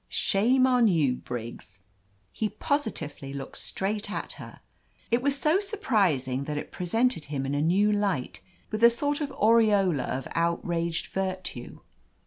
Shame on you, Briggs." He positively looked straight at her. It was so surprising that it presented him in a new light with a sort of aureola of outraged virtue.